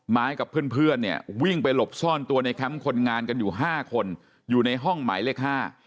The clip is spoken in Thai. ม้ายกับเพื่อนวิ่งไปหลบซ่อนตัวในแคมป์คนงานกันอยู่๕คนอยู่ในห้องหมายเลข๕